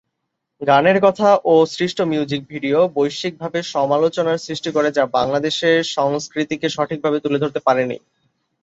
গানের কথা ও সৃষ্ট মিউজিক ভিডিও বৈশ্বিকভাবে সমালোচনার সৃষ্টি করে যা বাংলাদেশের সংস্কৃতিকে সঠিকভাবে তুলে ধরতে পারেনি।